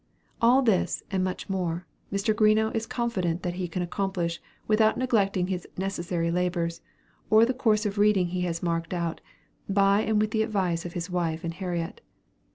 All this, and much more, Mr. Greenough is confident he can accomplish, without neglecting his necessary labors, or the course of reading he has marked out, "by and with the advice" of his wife and Harriet.